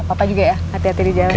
papa juga ya hati hati di jalan